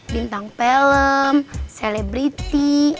bintang film selebriti